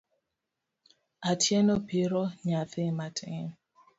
Atieno piro nyathi matin.